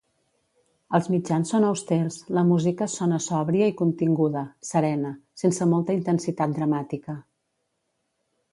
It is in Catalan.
Els mitjans són austers, la música sona sòbria i continguda, serena, sense molta intensitat dramàtica.